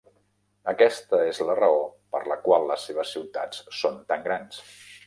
Aquesta és la raó per la qual les seves ciutats són tan grans.